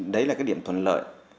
đấy là cái điểm thuận lợi